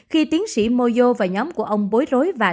khi tiến sĩ moyo và nhóm của ông moyo